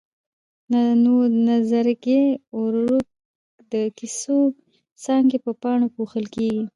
نو د نظرګي ورورک د کیسو څانګې په پاڼو پوښل کېږي.